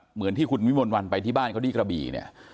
เหมือนที่คุณวิมวลวันไปที่บ้านเขาดีกระบี